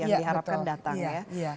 yang diharapkan datang ya